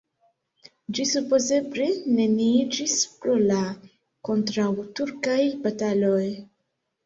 Ĝi supozeble neniiĝis pro la kontraŭturkaj bataloj.